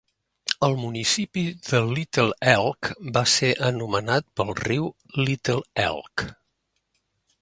El municipi de Little Elk va ser anomenat pel riu Little Elk.